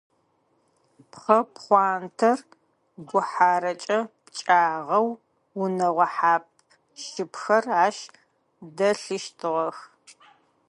Пхъэ пхъуантэр гухьарэкӏэ пкӏагъэу, унэгъо хьап-щыпхэр ащ дэлъыщтыгъэх.